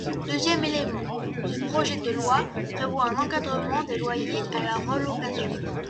Deuxième élément, ce projet de loi prévoit un encadrement des loyers à la relocation.